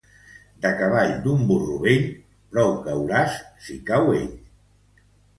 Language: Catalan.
De cavall d'un burro vell prou cauràs si cau ell.